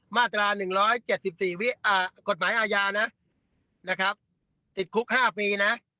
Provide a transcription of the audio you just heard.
มาตรา๑๗๔กฎหมายอาญาติดคุก๕ปี